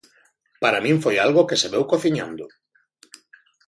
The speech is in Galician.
Para min foi algo que se veu cociñando.